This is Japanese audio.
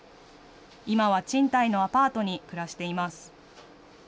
今は賃貸のアパートに暮らしています。